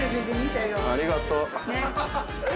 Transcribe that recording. ありがとう。